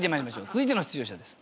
続いての出場者です。